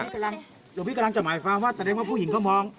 หลวงพี่กำลังจะหมายความว่าแสดงว่าผู้หญิงเขามอง